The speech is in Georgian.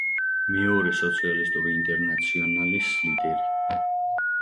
მეორე სოციალისტური ინტერნაციონალის ლიდერი.